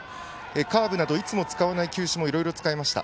カーブなどいつも使わない球種もいろいろ使いました。